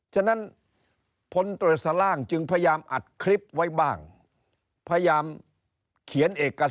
ฉะนั้นพลตรวจสล่างจึงพยายามอัดคลิปไว้บ้างพยายามเขียนเอกสาร